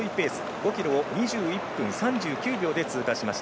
５ｋｍを２２分３９秒で通過しました。